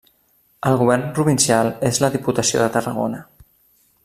El govern provincial és la Diputació de Tarragona.